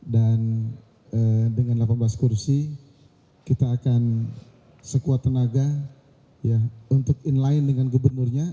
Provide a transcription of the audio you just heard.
dan dengan delapan belas kursi kita akan sekuat tenaga untuk inline dengan gubernurnya